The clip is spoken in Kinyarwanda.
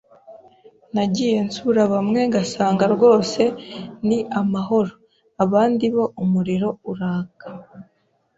nagiye nsura bamwe ngasanga rwose ni amahoro abandi bo umuriro uraka